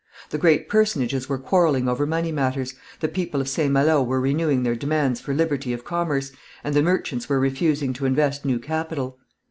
The great personages were quarrelling over money matters; the people of St. Malo were renewing their demands for liberty of commerce, and the merchants were refusing to invest new capital.